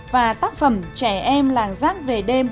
và tác phẩm trẻ em làng giác về đêm